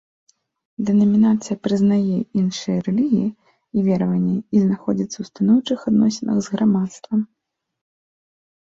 Дэнамінацыя прызнае іншыя рэлігіі і вераванні і знаходзіцца ў станоўчых адносінах з грамадствам.